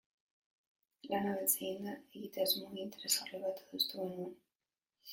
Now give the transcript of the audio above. Lana beltz eginda, egitasmo interesgarri bat adostu genuen.